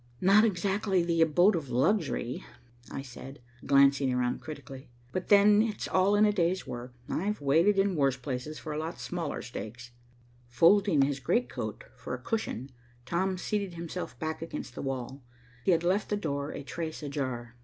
"Not exactly the abode of luxury," I said, glancing around critically, "but then it's all in the day's work. I've waited in worse places for a lot smaller stakes." Folding his great coat for a cushion, Tom seated himself back against the wall. He had left the door a trace ajar.